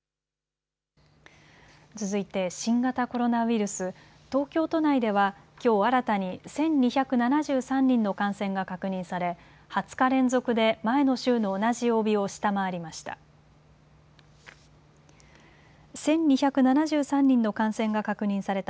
続いて新型コロナウイルス、東京都内ではきょう新たに１２７３人の感染が確認され２０日連続で前の週の同じ曜日を下回りました。